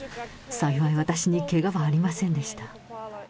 幸い、私にけがはありませんでした。